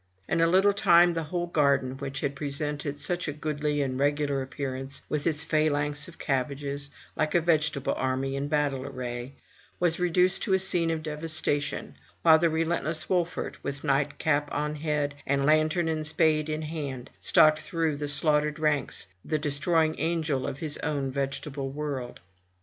In a little time the whole garden, which had presented such a goodly and regular appearance, with its phalanx of cabbages, like a vegetable army in battle array, was reduced to a scene of devastation; while the relentless Wolfert, with night cap on head, and lantern and spade in hand, stalked through the slaughtered ranks, the destroying angel of his own vegetable world.